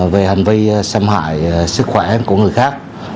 về hành vi xâm hại sức khỏe của người khác